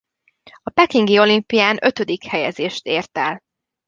A pekingi olimpián ötödik helyezést ért el.